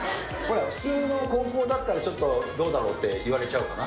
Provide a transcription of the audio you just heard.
普通の高校だったら、ちょっとどうだろうって言われちゃうかな。